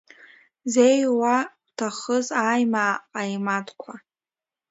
Зеиуа уҭахыз аимаа ҟаимаҭқәа.